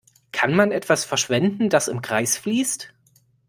Kann man etwas verschwenden, das im Kreis fließt?